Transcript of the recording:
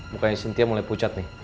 bukannya cynthia mulai pucat nih